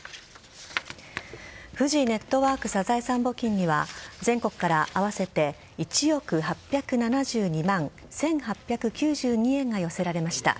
フジネットワークサザエさん募金には全国から合わせて１億８７２万１８９２円が寄せられました。